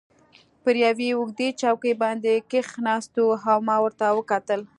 پر یوې اوږدې چوکۍ باندې کښېناستو او ما ورته وکتل.